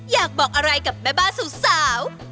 อยากบอกอะไรกับแม่บ้านสาว